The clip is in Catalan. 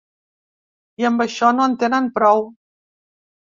I amb això no en tenen prou.